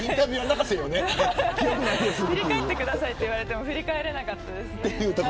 振り返ってくださいと言われても振り返れなかったです。